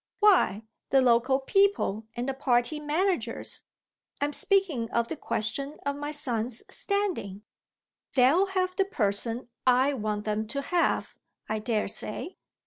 "Why, the local people and the party managers. I'm speaking of the question of my son's standing." "They'll have the person I want them to have, I daresay.